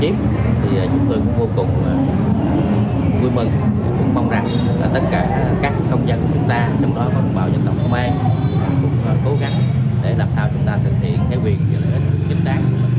cũng cố gắng để làm sao chúng ta thực hiện thế quyền và lợi ích chính đáng của chúng ta